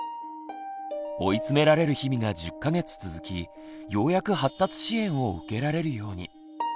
追い詰められる日々が１０か月続きようやく発達支援を受けられるように。